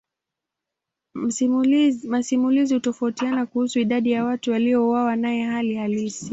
Masimulizi hutofautiana kuhusu idadi ya watu waliouawa naye hali halisi.